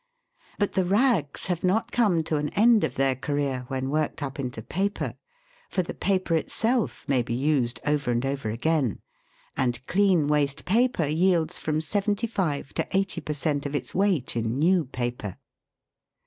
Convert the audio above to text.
But the rags have not come to an end of their career when worked up into paper, for the paper itself may be used over and over again, and clean waste paper yields from 75 to 80 per cent, of its weight in new paper.